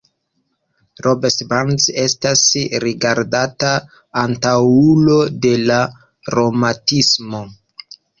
Robert Burns estas rigardata antaŭulo de la romantismo.